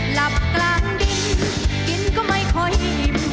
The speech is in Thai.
หลับกลางดินกินก็ไม่ค่อยอิ่ม